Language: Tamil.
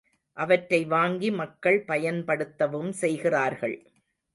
அவற்றை வாங்கி மக்கள் பயன்படுத்தவும் செய்கிறார்கள்.